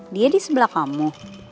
dia di sebelah kamu